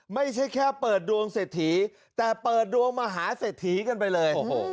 ไม่ใช่แค่เปิดดวงเศรษฐีแต่เปิดดวงมหาเศรษฐีกันไปเลย